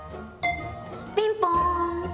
ピンポン！